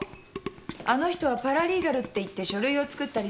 あの人はパラリーガルっていって書類を作ったりする人。